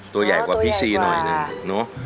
ตัวใหญ่กว่าพี่ซีหน่อยนึงเนาะ